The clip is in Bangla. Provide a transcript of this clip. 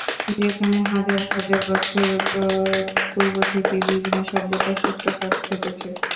সেখানে হাজার হাজার বছর পূর্ব থেকেই বিভিন্ন সভ্যতার সূত্রপাত ঘটেছে।